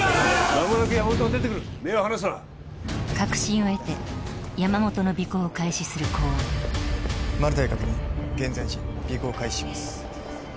まもなく山本が出てくる目を離すな確信を得て山本の尾行を開始する公安マルタイ確認現在時尾行開始します